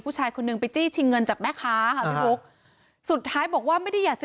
ผู้ชายคนหนึ่งไปจี้ชีงเงินจากมากฮาฮะลูกสุดท้ายบอกว่าไม่ได้อยากจะ